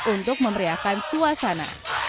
untuk memeriakan suasana